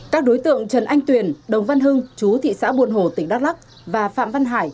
các đối tượng trần anh tuyển đồng văn hưng chú thị xã buồn hồ tỉnh đắk lắk và phạm văn hải